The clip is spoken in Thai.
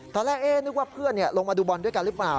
ตอนแรกนึกว่าเพื่อนลงมาดูบอลด้วยกันหรือเปล่า